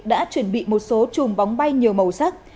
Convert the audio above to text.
đã chuẩn bị một số chùm bóng bay nhiều màu sắc